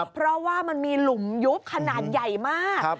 เพราะว่ามันมีหลุมยุบขนาดใหญ่มาก